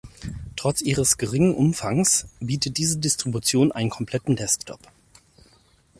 Trotz ihres geringen Umfangs bietet diese Distribution einen kompletten Desktop.